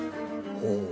ほう。